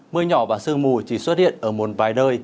mưa nhỏ và sương mù chỉ xuất hiện ở một vài nơi